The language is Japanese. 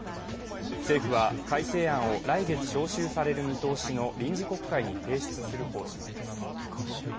政府は、改正案を来月召集される見通しの臨時国会に提出する方針です。